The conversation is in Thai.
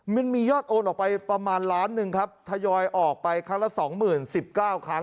มันมียอดโอนออกไปประมาณล้านหนึ่งครับทยอยออกไปครั้งละสองหมื่นสิบเก้าครั้ง